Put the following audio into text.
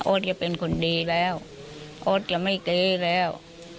จะเป็นคนดีแล้วโอ๊ตจะไม่ตีแล้ว